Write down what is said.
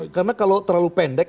karena kalau terlalu pendek